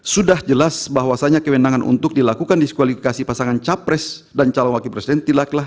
sudah jelas bahwasannya kewenangan untuk dilakukan diskualifikasi pasangan capres dan calon wakil presiden tilaklah